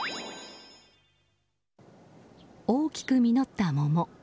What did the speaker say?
大きく実った桃。